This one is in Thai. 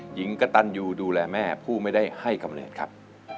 หญิงกระตันยูดูแลแม่ผู้ไม่ได้ให้กำเนิดครับ